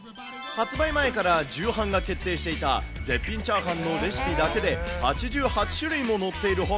発売前から重版が決定していた絶品チャーハンのレシピだけで８８種類も載っている本。